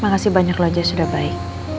makasih banyak loh jess udah baik